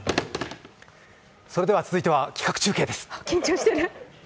それでは続いては企画中継です。